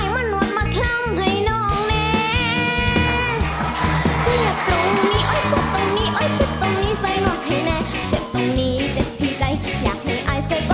ทางเดินของใคร